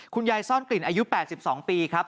ซ่อนกลิ่นอายุ๘๒ปีครับ